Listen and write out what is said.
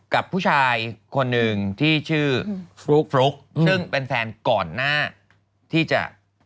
กับผู้ชายคนหนึ่งที่ชื่อฟลุ๊กฟลุ๊กซึ่งเป็นแฟนก่อนหน้าที่จะ